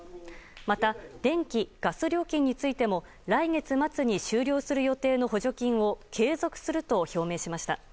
また、電気・ガス料金についても来月末に終了する予定の補助金を継続すると表明しました。